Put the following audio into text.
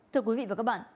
thưa quý vị và các bạn